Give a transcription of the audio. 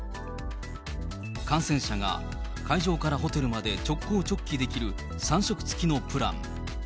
観戦者が会場からホテルまで直行直帰できる３食付きのプラン。